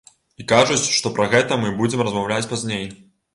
І кажуць, што пра гэта мы будзем размаўляць пазней.